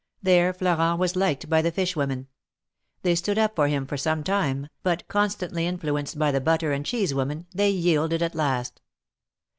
There Florent was liked by the fish women. They stood up for him for some time, but constantly influenced by the butter and clieese women, they yielded at last.